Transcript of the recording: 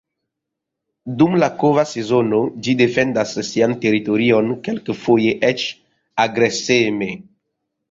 Dum la kova sezono ĝi defendas sian teritorion, kelkfoje eĉ agreseme.